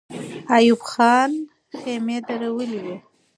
ایوب خان خېمې درولې.